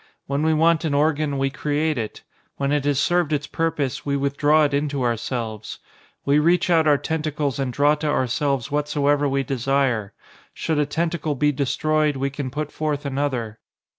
When we want an organ, we create it. When it has served its purpose, we withdraw it into ourselves. We reach out our tentacles and draw to ourselves whatsoever we desire. Should a tentacle be destroyed, we can put forth another.